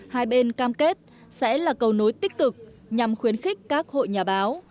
hai bên cam kết sẽ là cầu nối tích cực nhằm khuyến khích các hội nhà báo